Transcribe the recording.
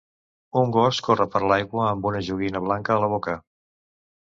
Un gos corre per l'aigua amb una joguina blanca a la boca